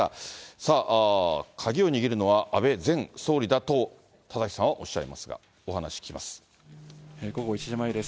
さあ、鍵を握るのは安倍前総理だと田崎さんはおっしゃいますが、お話聞午後１時前です。